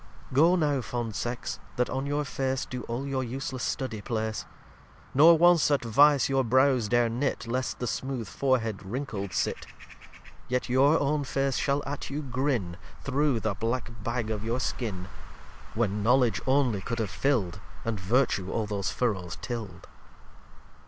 xcii Go now fond Sex that on your Face Do all your useless Study place, Nor once at Vice your Brows dare knit Lest the smooth Forehead wrinkled sit Yet your own Face shall at you grin, Thorough the Black bag of your Skin; When knowledge only could have fill'd And Virtue all those Furows till'd.